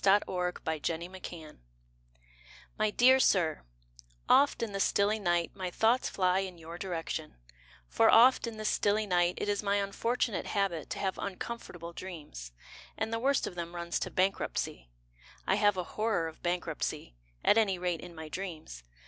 TO AN HOTEL KEEPER My dear Sir, Oft in the stilly night My thoughts fly In your direction, For oft in the stilly night It is my unfortunate habit To have uncomfortable dreams, And the worst of them Runs to bankruptcy. I have a horror of bankruptcy, At any rate in my dreams.